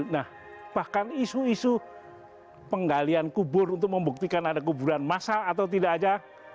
nah bahkan isu isu penggalian kubur untuk membuktikan ada kuburan masal atau tidak saja